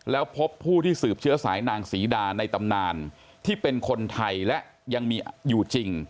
แล้วพบผู้ที่สืบเชื้อสายนางศรีดาในตำนานที่เป็นคนไทยและยังมีอยู่จริง